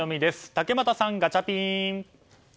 竹俣さん、ガチャピン！